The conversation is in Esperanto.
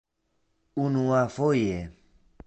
unuafoje